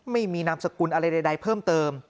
ไม่มีนามสกุลอะไรใดเพิ่มเติม